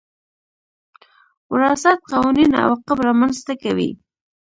وراثت قوانين عواقب رامنځ ته کوي.